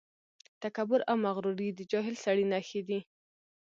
تکبر او مغروري د جاهل سړي نښې دي.